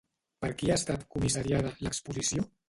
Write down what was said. Per qui ha estat comissariada l'exposició?